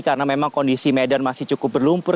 karena memang kondisi medan masih cukup berlumpur